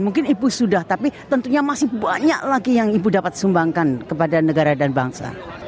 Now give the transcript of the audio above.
mungkin ibu sudah tapi tentunya masih banyak lagi yang ibu dapat sumbangkan kepada negara dan bangsa